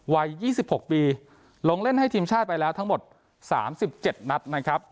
วัยยี่สิบหกปีลงเล่นให้ทีมชาติไปแล้วทั้งหมดสามสิบเจ็ดนัดนะครับ